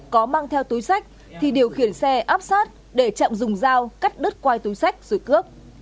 có mang theo túi sách thì điều khiển xe áp sát để trọng dùng dao cắt đứt quai túi sách rồi cướp